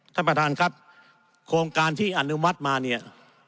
ท่านประธานครับโครงการที่อนุมัติมาเนี่ย